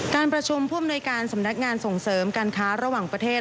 การประชุมพรุ่งโดยการสำนักงานส่งเสริมการค้าระวังประเทศ